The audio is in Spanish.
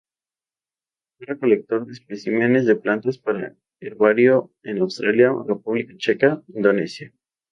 Fue recolector de especímenes de plantas para herbario en Australia, República Checa, Indonesia.